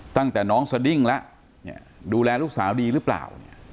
ตั้งแต่น้องสดิ้งแล้วดูแลลูกสาวดีหรือเปล่า